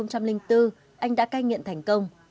năm hai nghìn bốn anh đã cai nghiện thành công